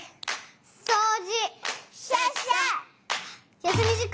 そうじ。